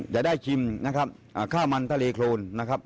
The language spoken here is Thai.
จะได้ชิมข้าวมันทะเลโครนนะครับ